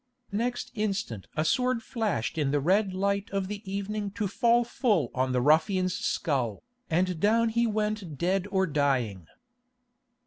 Next instant a sword flashed in the red light of the evening to fall full on the ruffian's skull, and down he went dead or dying.